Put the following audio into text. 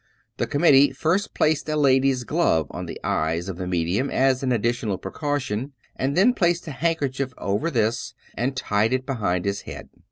The committee first placed a lady's glove on the eyes of the medium as an additional precaution, and then placed a handkerchief over this and tied it behind his head.